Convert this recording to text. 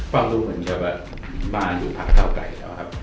พรับรู้มนต์ใจว่ามาอยู่หาเจ้าไก่แล้วครับ